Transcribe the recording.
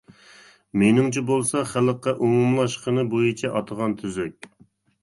مېنىڭچە بولسا خەلققە ئومۇملاشقىنى بويىچە ئاتىغان تۈزۈك.